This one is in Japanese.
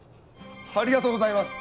ありがとうございます！